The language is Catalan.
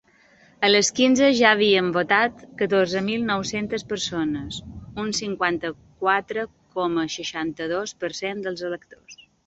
A les quinze ja havien votat catorze mil nou-centes persones, un cinquanta-quatre coma seixanta-dos per cent dels electors.